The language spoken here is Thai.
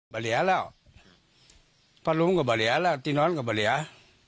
บรรยาแล้วพระรุงก็บรรยาแล้วตีนอนก็บรรยา